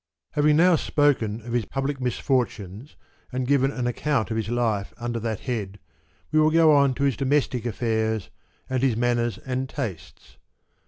Having now spoken of his public misfortunes and given an account of his life under that head, we will go on to his domestic affairs, and his manners and tastes.